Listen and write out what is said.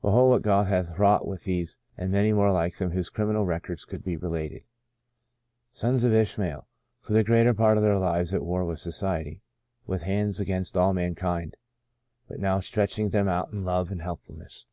Behold what God hath wrought with these and many more like them whose crim inal records could be related ! Sons of Ishmael I For the greater part of their lives at war with society — with hands against all mankind, but now stretching them out in love and helpfulness.